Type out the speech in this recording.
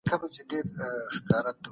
الټراساؤنډ لا هم عام معیار نه دی.